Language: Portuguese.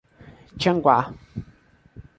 Tianguá